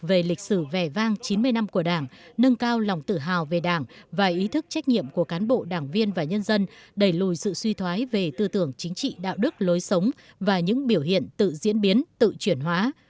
về lịch sử vẻ vang chín mươi năm của đảng nâng cao lòng tự hào về đảng và ý thức trách nhiệm của cán bộ đảng viên và nhân dân đẩy lùi sự suy thoái về tư tưởng chính trị đạo đức lối sống và những biểu hiện tự diễn biến tự chuyển hóa